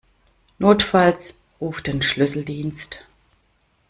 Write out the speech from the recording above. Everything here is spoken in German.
Notfalls ruf den Schlüsseldienst.